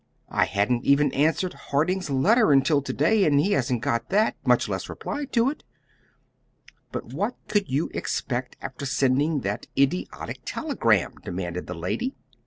I hadn't even answered Harding's letter until to day; and he hasn't got that much less replied to it." "But what could you expect after sending that idiotic telegram?" demanded the lady.